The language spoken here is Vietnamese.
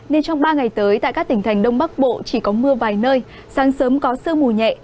nên trong ba ngày tới tại các tỉnh thành đông bắc bộ chỉ có mưa vài nơi sáng sớm có sương mù nhẹ